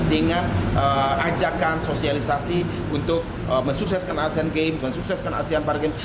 dengan ajakan sosialisasi untuk mensukseskan asean games mensukseskan asean para games